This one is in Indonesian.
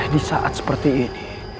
di saat seperti ini